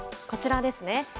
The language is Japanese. こちらですね。